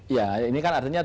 ya ini kan artinya tujuh belas